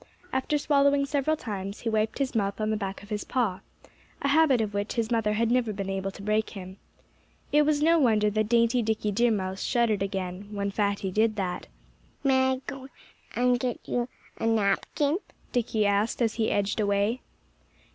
After swallowing several times he wiped his mouth on the back of his paw a habit of which his mother had never been able to break him. It was no wonder that dainty Dickie Deer Mouse shuddered again, when Fatty did that. "May I go and get you a napkin?" Dickie asked, as he edged away.